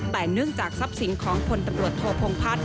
แต่เนื่องจากทรัพย์สินของพลตำรวจโทพงพัฒน์